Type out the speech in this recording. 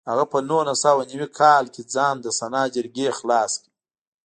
هغه په نولس سوه نوي کال کې ځان له سنا جرګې خلاص کړ.